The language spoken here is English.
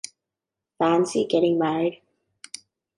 Fancy getting married?